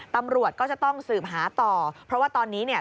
ตำรวจก็จะต้องสืบหาต่อเพราะว่าตอนนี้เนี่ย